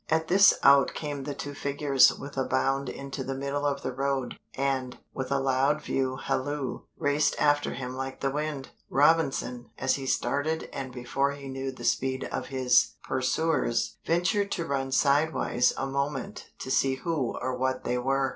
At this out came the two figures with a bound into the middle of the road, and, with a loud view halloo, raced after him like the wind. Robinson, as he started and before he knew the speed of his pursuers, ventured to run sidewise a moment to see who or what they were.